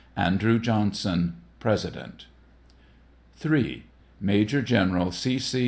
ANDREW JOHNSON, President. III. Major General 0. 0.